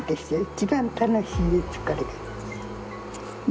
一番楽しいですこれが。